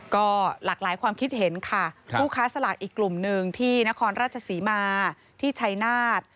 ก็หลากหลายความคิดเห็นค่ะผู้ค้าสลากอีกกลุ่มหนึ่งที่นครราชศรีมาที่ชัยนาธ